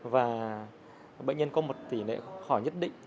và bệnh nhân có một tỷ lệ khỏi nhất định